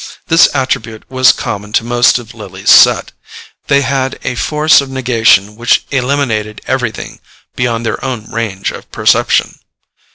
This attribute was common to most of Lily's set: they had a force of negation which eliminated everything beyond their own range of perception.